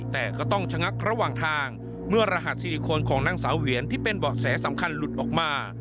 แต่ก็ต้องชะงักระหว่างทางเมื่อรหัสซิลิโคนของนางสาวเหรียญที่เป็นเบาะแสสำคัญหลุดออกมา